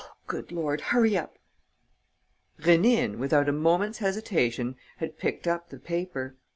Oh, good Lord, hurry up!" Rénine, without a moment's hesitation, had picked up the paper.